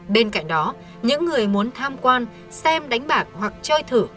bên cạnh đó những người muốn tham quan xem đánh bạc hoặc chơi thử